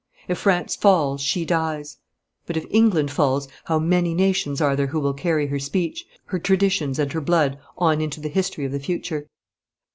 If France falls she dies, but if England falls how many nations are there who will carry her speech, her traditions and her blood on into the history of the future?